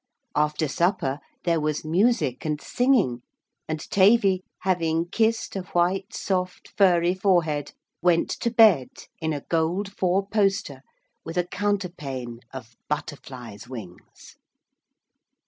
After supper there was music and singing, and Tavy, having kissed a white, soft, furry forehead, went to bed in a gold four poster with a counterpane of butterflies' wings.